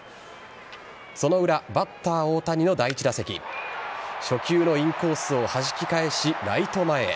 その裏バッター大谷の第一打席初球のインコースをはじき返しライト前へ。